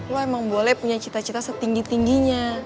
lo emang boleh punya cita cita setinggi tingginya